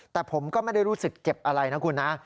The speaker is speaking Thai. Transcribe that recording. แต่ผมก็ไม่ได้รู้สึกเจ็บอะไรนะคุณนะ